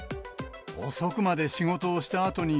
遅くまで仕事をしたあとに、